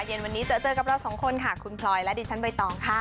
เย็นวันนี้เจอเจอกับเราสองคนค่ะคุณพลอยและดิฉันใบตองค่ะ